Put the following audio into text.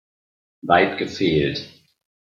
Weit gefehlt.